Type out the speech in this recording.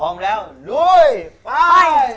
พร้อมแล้วครับ